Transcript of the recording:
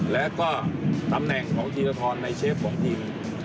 และก็ตำแหน่งของธีรทรในเชฟของทีม